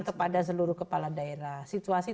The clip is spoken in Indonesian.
kepada seluruh kepala daerah situasi